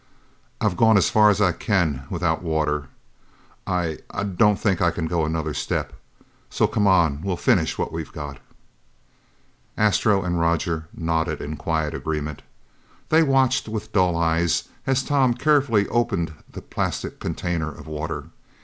"I've gone as far as I can without water. I I don't think I can go another step. So come on, we'll finish what we've got." Astro and Roger nodded in quiet agreement. They watched with dull eyes as Tom carefully opened the plastic container of water.